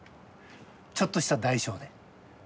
ちょっとした代償で。